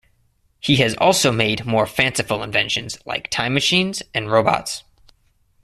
He has also made more fanciful inventions like time machines and robots.